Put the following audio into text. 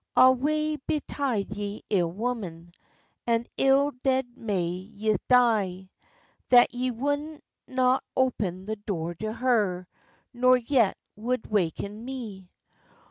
"O wae betide ye, ill woman, An ill dead may ye die! That ye woudno open the door to her, Nor yet woud waken me."